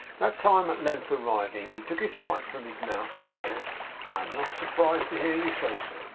That time at length arriving, he took his pipe from his mouth, and said: 'I am not surprised to hear you say so.